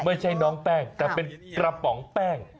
ไม่ใช่น้องแป้งแต่เป็นกระป๋องแป้ง